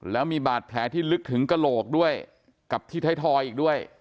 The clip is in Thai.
แล้วมีบาดแผลที่ลึกถึงกระโหลกด้วยกับที่ไทยทอยอีกด้วย